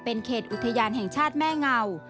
เป็นเขตอุทยานแห่งชาติแม่เงา